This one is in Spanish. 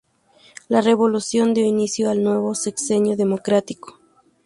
La revolución dio inicio el nuevo Sexenio Democrático.